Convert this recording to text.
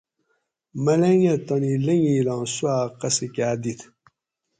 ملنگ اۤ تانی لنگیلاں سُواۤ قصہ کاۤ دِت